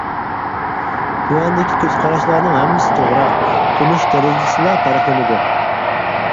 تۆۋەندىكى كۆز قاراشلارنىڭ ھەممىسى توغرا، تونۇش دەرىجىسىلا پەرقلىنىدۇ.